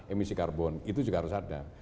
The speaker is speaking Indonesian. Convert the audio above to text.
emisi karbon itu juga harus ada